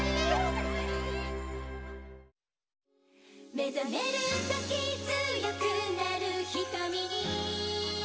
「目醒めるとき強くなる瞳に」